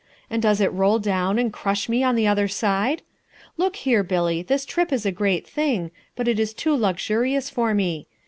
And does it roll down and crush me on the other side? Look here, Billy, this trip is a great thing, but it is too luxurious for me.